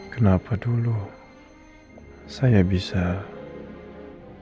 jangan lupa like share dan subscribe